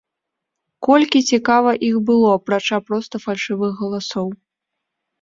Колькі, цікава, іх было, апрача проста фальшывых галасоў?